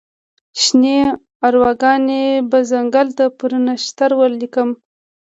شني ارواګانې به ځنګل ته پر نښتر ولیکم